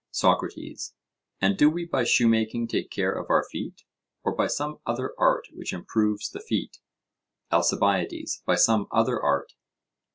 SOCRATES: And do we by shoemaking take care of our feet, or by some other art which improves the feet? ALCIBIADES: By some other art.